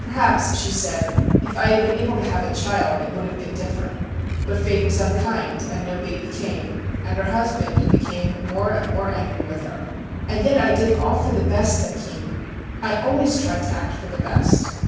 'Perhaps,' she said, 'if I had been able to have a child it would have been different.' But fate was unkind and no baby came, and her husband became more and more angry with her. 'And yet I did all for the best, thakin; I always tried to act for the best.